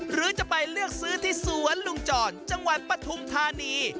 หรือจะไปเลือกซื้อที่สวนลุงจรจังหวัดปฐุมธานี